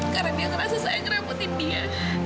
karena dia ngerasa saya ngerepotin dia